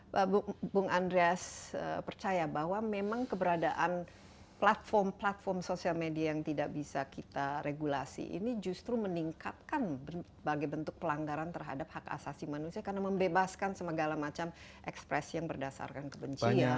pak bung andreas percaya bahwa memang keberadaan platform platform sosial media yang tidak bisa kita regulasi ini justru meningkatkan berbagai bentuk pelanggaran terhadap hak asasi manusia karena membebaskan segala macam ekspresi yang berdasarkan kebencian